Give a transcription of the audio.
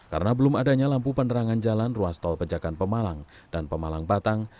karena belum adanya lampu penerangan jalan ruas tol penjagaan pemalang dan pemalang batang